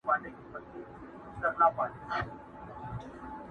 هر څوک د پېښې کيسه بيا بيا تکراروي،